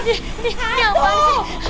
ini siapa sih